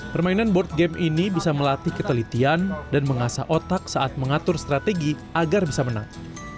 permainan board game ini bisa melatih ketelitian dan mengasah otak saat mengatur strategi agar bisa menang